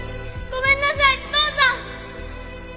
ごめんなさい父さん！